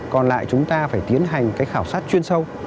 còn lại chúng ta phải tiến hành cái khảo sát chuyên sâu